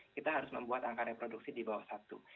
kita harus membuat angka reproduksi di bawah satu